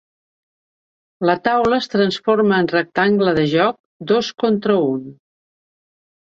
La taula es transforma en rectangle de joc, dos contra un.